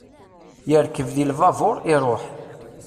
Yerkeb di lbabur, iruḥ.